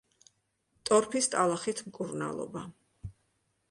ტორფის ტალახით მკურნალობა.